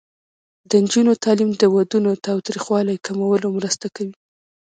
د نجونو تعلیم د ودونو تاوتریخوالي کمولو مرسته کوي.